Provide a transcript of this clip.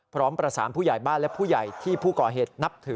พร้อมประสานผู้ใหญ่บ้านและผู้ใหญ่ที่ผู้ก่อเหตุนับถือ